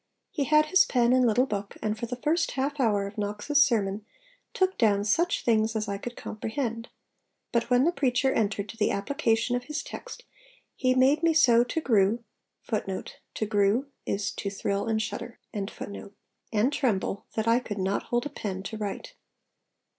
He had his 'pen and little book,' and for the first half hour of Knox's sermon, took down 'such things as I could comprehend'; but when the preacher 'entered to the application of his text he made me so to grue and tremble that I could not hold a pen to write!'